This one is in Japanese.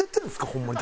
ホンマに。